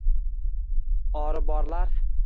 Ори борлар